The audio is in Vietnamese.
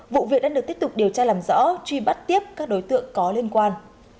vụ việc đang được tiếp tục điều tra làm rõ truy bắt tiếp các đối tượng có liên quan